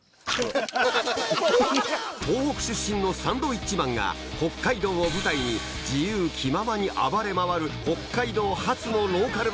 東北出身のサンドウィッチマンが北海道を舞台に自由気ままに暴れ回る北海道発のローカル番組